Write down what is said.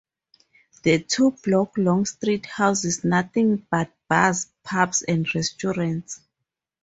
The two-block long street houses nothing but bars, pubs and restaurants.